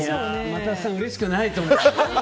天達さん、うれしくないと思う。